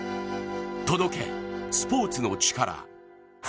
「届け、スポーツのチカラ」。